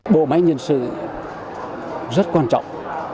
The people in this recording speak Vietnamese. bộ máy nhân sự rất quan trọng